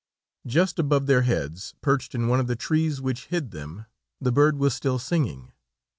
Just above their heads, perched in one of the trees which hid them, the bird was still singing.